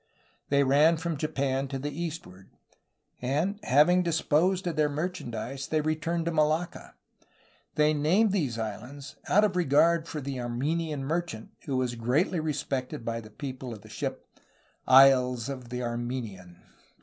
They ran from Japan to the eastward; and, having disposed of their merchandise, they returned to Malacca. They named these islands, out of re gard for the Armenian merchant, who was greatly respected by the people of the ship, ^Isles of the Armenian.'